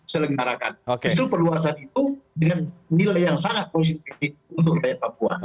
sangat positif untuk rakyat papua